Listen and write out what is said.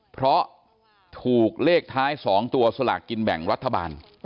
เพราะถูกเลขท้าย๒ตัวสลากกินแบ่งรัฐบาล